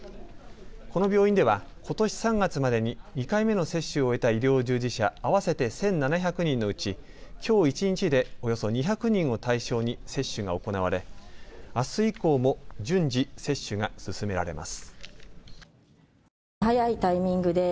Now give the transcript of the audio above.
この病院では、ことし３月までに２回目の接種を終えた医療従事者合わせて１７００人のうちきょう一日でおよそ２００人を対象に接種が行われ、あす以降も順次接種が進められます。